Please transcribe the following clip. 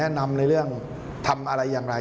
แนะนำในเรื่องทำอะไรอย่างไร